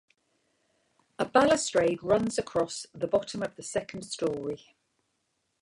A balustrade runs across the bottom of the second story.